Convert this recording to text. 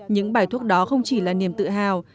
những bài thuốc đó không chỉ là niềm tự hào